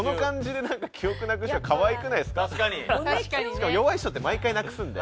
しかも弱い人って毎回なくすんで。